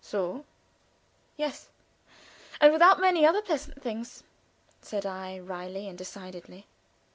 "So?" "Yes, and without many other pleasant things," said I, wryly and decidedly.